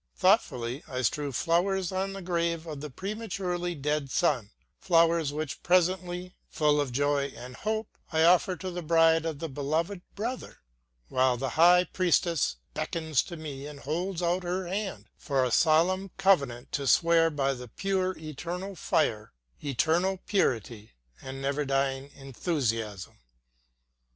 Thoughtfully I strew flowers on the grave of the prematurely dead son, flowers which presently, full of joy and hope, I offer to the bride of the beloved brother; while the high priestess beckons to me and holds out her hand for a solemn covenant to swear by the pure eternal fire eternal purity and never dying enthusiasm.